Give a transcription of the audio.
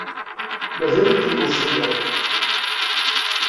Mazal-ikem meẓẓiyeḍ.